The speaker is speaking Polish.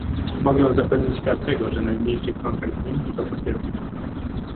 Mogę zapewnić każdego, że najmniejszy kontakt z nim to potwierdzi